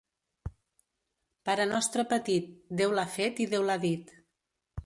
Pare nostre petit, Déu l'ha fet i Déu l'ha dit.